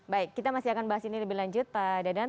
baik kita masih akan bahas ini lebih lanjut pak dadan